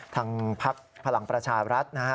ทางภักร์ภลังประชาวรัฐฯนะคะ